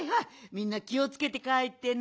みんなきをつけてかえってね。